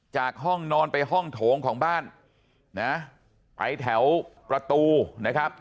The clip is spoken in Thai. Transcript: ห้องนอนไปห้องโถงของบ้านนะไปแถวประตูนะครับ